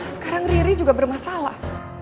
sekarang riri juga bermasalah